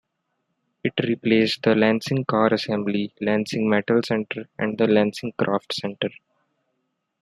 It replaced the Lansing Car Assembly, Lansing Metal Center, and the Lansing Craft Center.